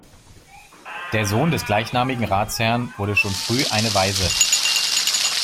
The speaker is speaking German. Der Sohn des gleichnamigen Ratsherrn wurde schon früh eine Waise.